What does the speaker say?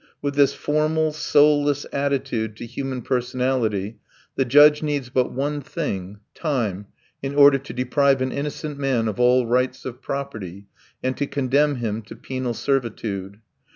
With this formal, soulless attitude to human personality the judge needs but one thing time in order to deprive an innocent man of all rights of property, and to condemn him to penal servitude.